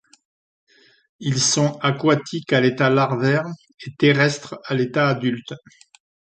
Ils sont aquatiques à l'état larvaire et terrestres à l'état adulte.